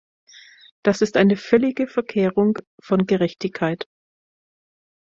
Das ist eine völlige Verkehrung von Gerechtigkeit.